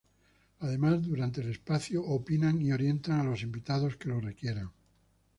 Además, durante el espacio, opinan y orientan a los invitados que lo requieran.